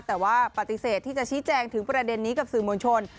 แต่ว่าปฏิเสธที่จะชี้แจงถึงประเด็นนี้กับสื่อมวลชน